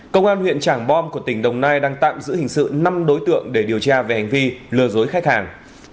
công an huyện trảng bom của tỉnh đồng nai đang tạm giữ hình sự năm đối tượng để điều tra về hành vi lừa dối khách hàng